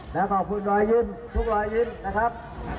ถ้าขอบคุณหน่อยยินทุกหน่อยยินนะครับ